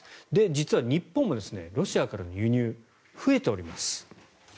実は日本もロシアからの輸入が増えております。